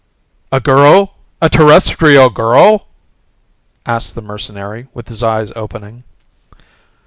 "A girl? A Terrestrial girl?" asked the mercenary with his eyes opening.